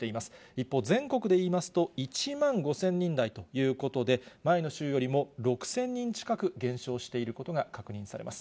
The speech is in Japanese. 一方で全国でいいますと、１万５０００人台ということで、前の週よりも６０００人近く減少していることが確認されます。